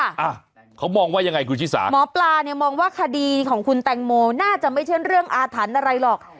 อ่ะเขามองว่ายังไงคุณชิสาหมอปลาเนี่ยมองว่าคดีของคุณแตงโมน่าจะไม่ใช่เรื่องอาถรรพ์อะไรหรอก